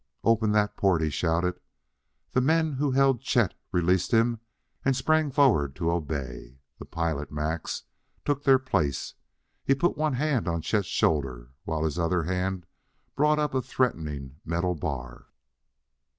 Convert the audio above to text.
"Open that port!" he shouted. The men who held Chet released him and sprang forward to obey. The pilot, Max, took their place. He put one hand on Chet's shoulder, while his other hand brought up a threatening metal bar.